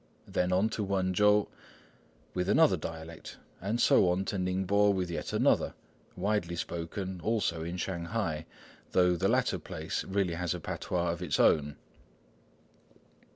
Then on to Wênchow, with another dialect, and so on to Ningpo with yet another, widely spoken also in Shanghai, though the latter place really has a patois of its own.